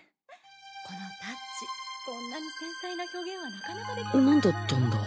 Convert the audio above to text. このタッチこんなに繊細な表現はなかなかできないと思うよ。